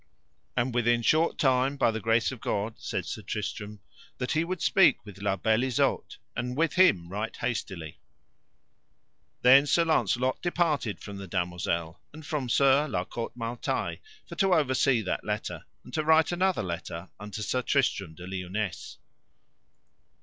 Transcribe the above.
And within short time by the grace of God, said Sir Tristram, that he would speak with La Beale Isoud, and with him right hastily. Then Sir Launcelot departed from the damosel and from Sir La Cote Male Taile, for to oversee that letter, and to write another letter unto Sir Tristram de Liones.